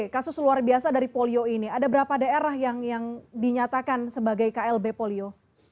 kasus luar biasa dari polio ini ada berapa daerah yang dinyatakan sebagai klb polio